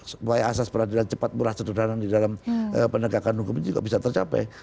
supaya asas peradilan cepat murah sederhana di dalam penegakan hukum ini juga bisa tercapai